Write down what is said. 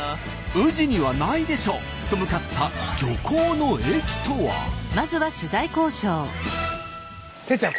宇治にはないでしょと向かったてっちゃん